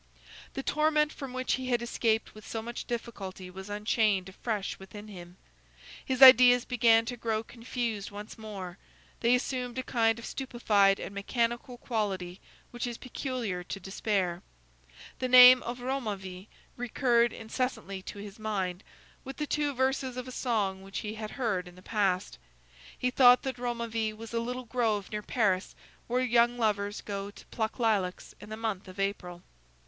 The torment from which he had escaped with so much difficulty was unchained afresh within him. His ideas began to grow confused once more; they assumed a kind of stupefied and mechanical quality which is peculiar to despair. The name of Romainville recurred incessantly to his mind, with the two verses of a song which he had heard in the past. He thought that Romainville was a little grove near Paris, where young lovers go to pluck lilacs in the month of April.